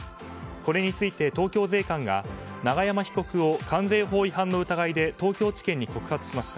これについて東京税関が長山被告を関税法違反の疑いで東京地検に告発しました。